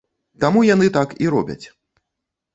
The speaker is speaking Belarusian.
Таму яны так і робяць.